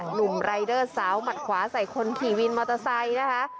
หนุ่มรายเดอร์สาวหมัดขวาใส่คนขี่วินมอเตอร์ไซค์นะคะ